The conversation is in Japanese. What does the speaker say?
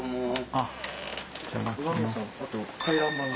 あと回覧板が。